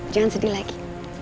jangan sedih lagi